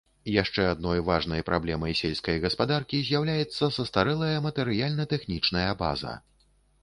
Яшчэ адной важнай праблемай сельскай гаспадаркі з'яўляецца састарэлая матэрыяльна-тэхнічная база.